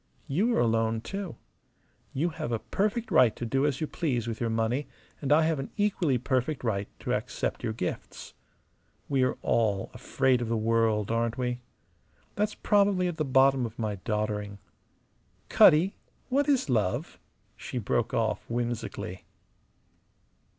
You are alone, too. You have a perfect right to do as you please with your money, and I have an equally perfect right to accept your gifts. We are all afraid of the world, aren't we? That's probably at the bottom of my doddering. Cutty, what is love?" she broke off, whimsically.